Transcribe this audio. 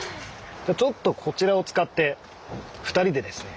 ちょっとこちらを使って２人でですね